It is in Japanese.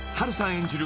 演じる